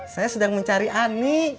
saya sedang mencari ani